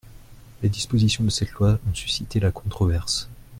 Les dispositions de cette loi ont suscité la controverse.